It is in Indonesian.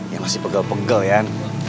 ya masih pegal pegal yan